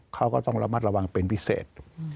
เขาก็ต้องระมัดระวังเป็นพิเศษ